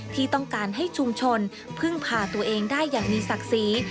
ที่ต้องการให้ชุมชนพึ่งพาตัวเองได้อย่างมีศักดิ์ศรี